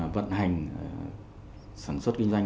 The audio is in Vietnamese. vận hành sản xuất kinh doanh